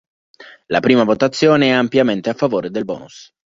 La prima votazione è ampiamente a favore del bonus.